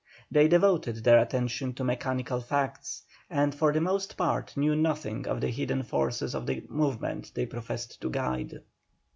They devoted their attention to mechanical facts, and for the most part knew nothing of the hidden forces of the movement they professed to guide.